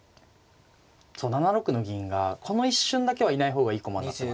そう７六の銀がこの一瞬だけはいない方がいい駒になってますよね。